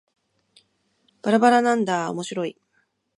ばらばらなんだーおもしろーい